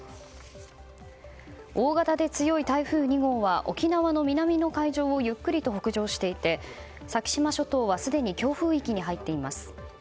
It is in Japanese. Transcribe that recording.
大型で強い台風２号は沖縄の南の海上をゆっくりと北上していて先島諸島はすでに強風域に入っています。